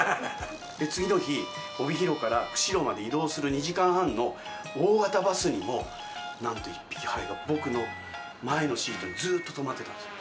次の日、帯広から釧路まで移動する２時間半の大型バスにも、なんと、１匹、ハエが、僕の前のシートにずっと止まってたんですよ。